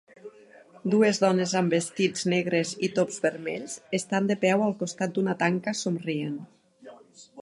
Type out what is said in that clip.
Dues dones amb vestits negres i Tops vermells estan de peu al costat d'una tanca somrient.